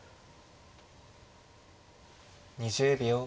２０秒。